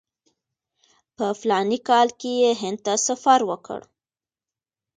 په فلاني کال کې یې هند ته سفر وکړ.